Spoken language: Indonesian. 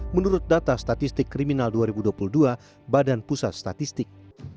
menurut data statistik kriminal dua ribu dua puluh dua badan pusat statistik